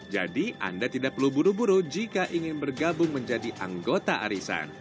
anda tidak perlu buru buru jika ingin bergabung menjadi anggota arisan